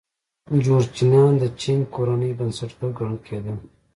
جورچنیان د چینګ کورنۍ بنسټګر ګڼل کېدل.